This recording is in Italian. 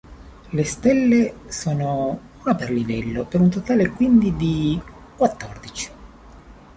Le stelle sono una per livello, per un totale quindi di quattordici.